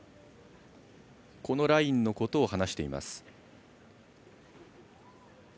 このラインのことを話しています。